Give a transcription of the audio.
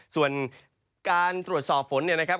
ส่วนการตรวจสอบฝนเนี่ยนะครับ